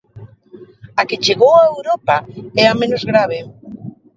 A que chegou a Europa é a menos grave.